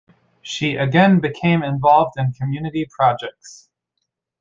She again became involved in community projects.